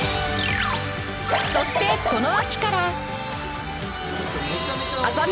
そしてこの秋から